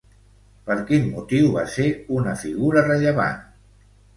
Per quin motiu va ser una figura rellevant?